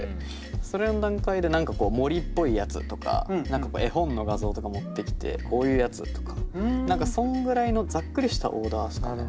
それの段階で何かこう森っぽいやつとか絵本の画像とか持ってきてこういうやつとか何かそんぐらいのざっくりしたオーダーっすかね。